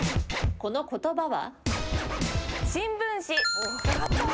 この言葉は？